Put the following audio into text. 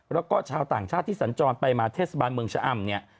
แล้วก็ชาวต่างชาติที่สัญจรไปมาเทศบาลเมืองชะอำเนี่ย